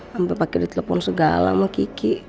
sampai pake ditelepon segala sama kiki